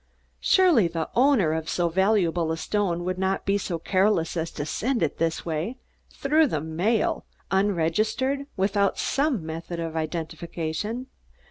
Surely the owner of so valuable a stone would not be so careless as to send it this way, through the mail unregistered without some method of identification!